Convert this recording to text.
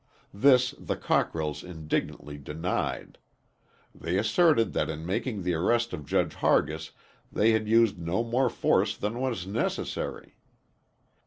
This the Cockrells indignantly denied. They asserted that in making the arrest of Judge Hargis they had used no more force than was necessary.